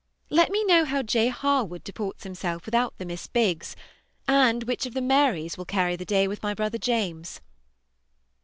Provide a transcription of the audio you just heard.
Let me know how J. Harwood deports himself without the Miss Biggs, and which of the Marys will carry the day with my brother James.